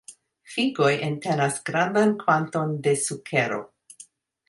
Figoj entenas grandan kvanton de sukero.